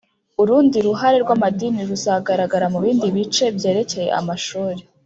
Urundi ruhare rw'amadini ruzagaragara mu bindi bice byerekeye amashuri